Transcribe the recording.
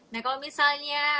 nah kalau misalnya